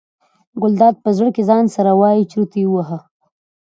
ګلداد په زړه کې ځان سره وایي چورت یې وواهه.